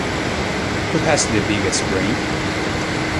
Who has the Biggest Brain?